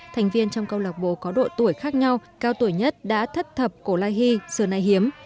thành viên trong câu lạc bộ có độ tuổi khác nhau cao tuổi nhất đã thất thập cổ lai hy sườ nai hiếm